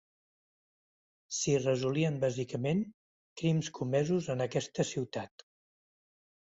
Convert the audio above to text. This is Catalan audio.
S'hi resolien bàsicament crims comesos en aquesta ciutat.